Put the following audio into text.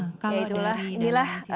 ya itulah inilah